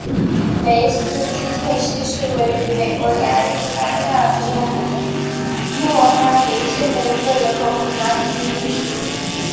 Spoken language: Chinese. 梅斯基特溪是位于美国亚利桑那州莫哈维县的一个人口普查指定地区。